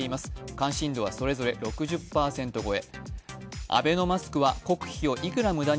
関心度はそれぞれ６０％超え。